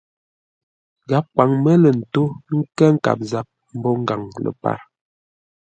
Gháp kwaŋ mə́ lə̂ ntó ńkə́ nkâp zap mbô ngaŋ ləpar.